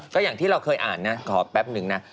ก็อย่างที่เราเคยอ่านนะขอแป๊บนึงนะ